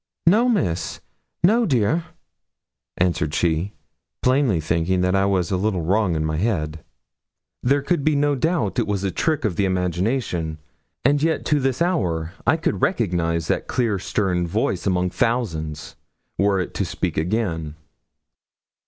'No, Miss; no, dear!' answered she, plainly thinking that I was a little wrong in my head. There could be no doubt it was a trick of the imagination, and yet to this hour I could recognise that clear stern voice among a thousand, were it to speak again.